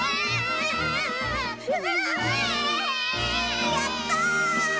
やった！